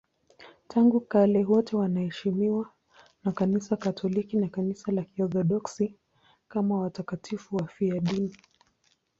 Tangu kale wote wanaheshimiwa na Kanisa Katoliki na Kanisa la Kiorthodoksi kama watakatifu wafiadini.